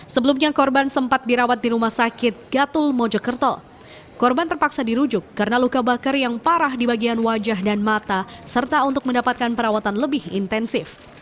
sebelumnya korban sempat dirawat di rumah sakit gatul mojokerto korban terpaksa dirujuk karena luka bakar yang parah di bagian wajah dan mata serta untuk mendapatkan perawatan lebih intensif